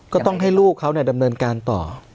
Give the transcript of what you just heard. ก็ต้องให้ลูกเขาดำเนินการต่อ